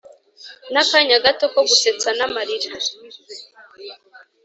n'akanya gato ko gusetsa n'amarira,